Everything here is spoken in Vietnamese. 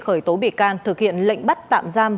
khởi tố bị can thực hiện lệnh bắt tạm giam